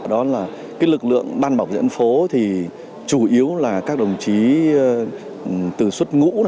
đó là lực lượng ban bảo vệ an phố thì chủ yếu là các đồng chí từ xuất ngũ